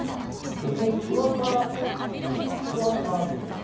ここ際から際に行かなきゃいけない。